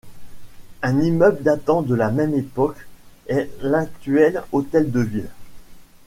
Un immeuble datant de la même époque est l'actuel hôtel de Ville.